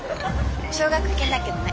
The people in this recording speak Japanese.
奨学金だけどね。